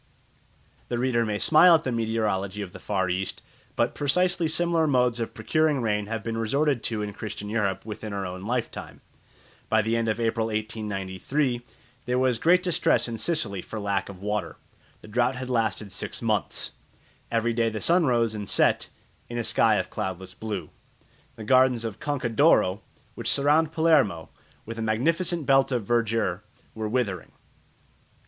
The reader may smile at the meteorology of the Far East; but precisely similar modes of procuring rain have been resorted to in Christian Europe within our own lifetime. By the end of April 1893 there was great distress in Sicily for lack of water. The drought had lasted six months. Every day the sun rose and set in a sky of cloudless blue. The gardens of the Conca d'Oro, which surround Palermo with a magnificent belt of verdure, were withering.